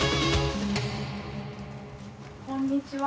こんにちは！